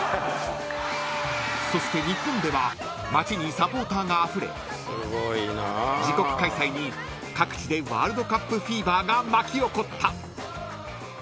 ［そして日本では街にサポーターがあふれ自国開催に各地でワールドカップフィーバーが巻き起こった］